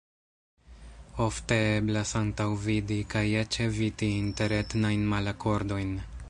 Ofte eblas antaŭvidi kaj eĉ eviti interetnajn malakordojn.